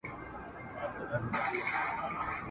جهاني به له دېوان سره وي تللی !.